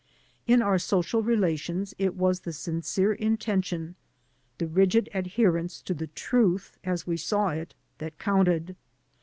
In our social relations it was the sincere intention, the rigid adherence to the truth as we saw it, that counted.